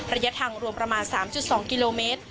ระยะทางรวมประมาณ๓๒กิโลเมตร